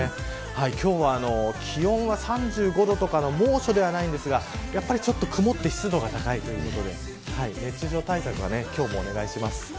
今日は気温が３５度とかの猛暑ではないんですが曇って湿度が高いということで熱中症対策は今日もお願いします。